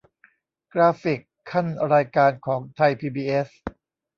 กราฟิกคั่นรายการของไทยพีบีเอส